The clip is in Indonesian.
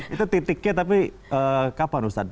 itu titiknya tapi kapan ustadz